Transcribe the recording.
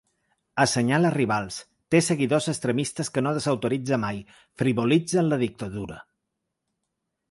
Assenyala rivals, té seguidors extremistes que no desautoritza mai, frivolitza amb la dictadura.